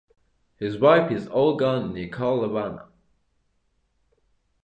His wife is Olga Nikolaevna.